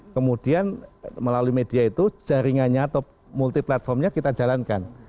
kemudian melalui media itu jaringannya atau multiplatformnya kita jalankan